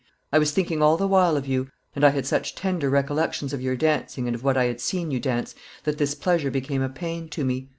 I was thinking all the while of you, and I had such tender recollections of your dancing and of what I had seen you dance, that this pleasure became a pain to me.